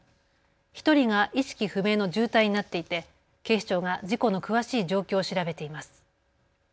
１人が意識不明の重体になっていて警視庁が事故の詳しい状況を調べています。